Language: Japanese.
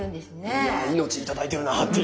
いや命頂いてるなっていう。